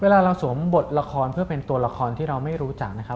เวลาเราสวมบทละครเพื่อเป็นตัวละครที่เราไม่รู้จักนะครับ